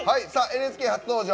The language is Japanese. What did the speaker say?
ＮＨＫ初登場